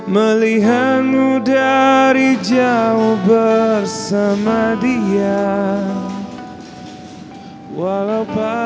melihangu dari jauh bersama dia